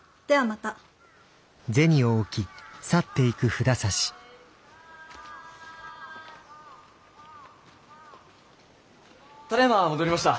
ただいま戻りました。